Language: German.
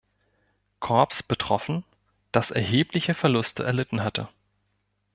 Korps betroffen, das erhebliche Verluste erlitten hatte.